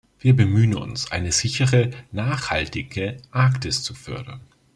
Wir bemühen uns, eine sicherere, nachhaltige Arktis zu fördern.